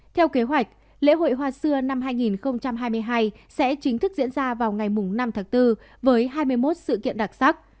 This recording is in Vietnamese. theo kế hoạch lễ hội hoa xưa năm hai nghìn hai mươi hai sẽ chính thức diễn ra vào ngày năm tháng bốn với hai mươi một sự kiện đặc sắc